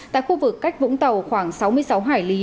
tại khu vực cách vũng tàu khoảng sáu mươi sáu hải lý